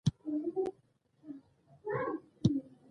سوالګر ته د خلکو ترحم نعمت دی